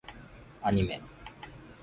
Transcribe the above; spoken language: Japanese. アニメ